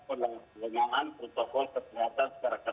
penyelenggaraan protokol kesehatan